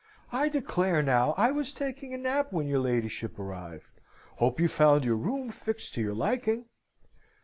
"I declare now, I was taking a nap when your ladyship arrived! Hope you found your room fixed to your liking!"